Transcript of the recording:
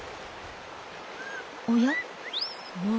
おや？